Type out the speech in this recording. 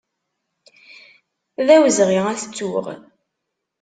D awezɣi ad t-ttuɣ.